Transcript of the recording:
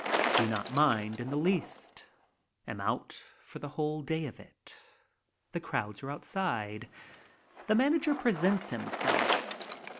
Do not mind in the least. Am out for the whole day of it. The crowds are outside. The manager presents himself.